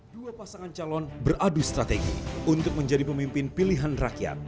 dua pasangan calon beradu strategi untuk menjadi pemimpin pilihan rakyat